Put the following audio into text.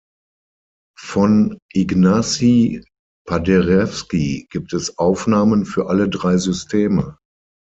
Von Ignacy Paderewski gibt es Aufnahmen für alle drei Systeme.